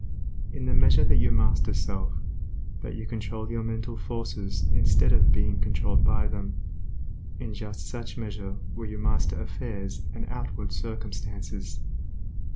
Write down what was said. In the measure that you master self, that you control your mental forces instead of being controlled by them, in just such measure will you master affairs and outward circumstances.